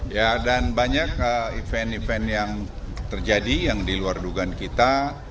ya dan banyak event event yang terjadi yang diluar dugaan kita